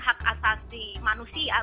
hak asasi manusia